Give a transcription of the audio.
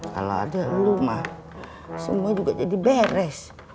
kalau ada lu mah semua juga jadi beres